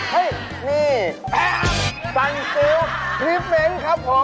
เฮ้ยนี่แฟพทันซิลชลิฟเม้งครับผม